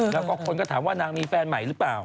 แล้วก็คนก็ถามว่านางมีแฟนใหม่หรือเปล่า